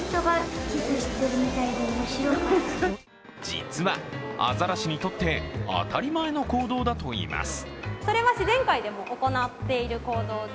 実は、アザラシにとって当たり前の行動だといいます。